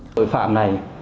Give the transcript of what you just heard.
tội phạm này